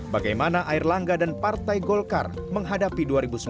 bagaimana air langga dan partai golkar menghadapi dua ribu sembilan belas